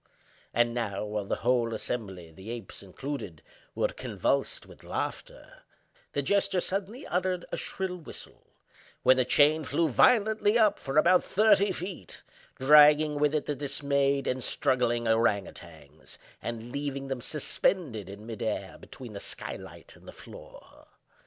And now, while the whole assembly (the apes included) were convulsed with laughter, the jester suddenly uttered a shrill whistle; when the chain flew violently up for about thirty feet—dragging with it the dismayed and struggling ourang outangs, and leaving them suspended in mid air between the sky light and the floor.